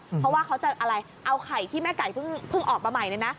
เพราะว่าเขาจะอะไรเอาไข่ที่แม่ไก่เพิ่งออกมาใหม่เนี่ยนะ